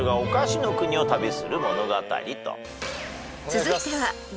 ［続いては］